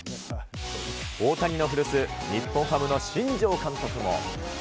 大谷の古巣、日本ハムの新庄監督も。